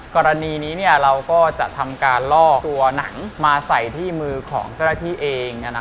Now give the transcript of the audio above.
กรณีนี้เราก็จะทำการลอกตัวหนังมาใส่ที่มือของเจ้าหน้าที่เอง